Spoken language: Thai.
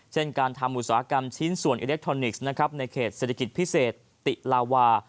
เช่นการทำอุตสาหกรรมชิ้นส่วนอิเล็กทรอนิกส์ในเขตเศรษฐกิจพิเศษติลาวา